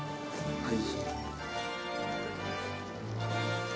はい。